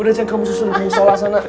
udah ceng kamu susun di sholah sana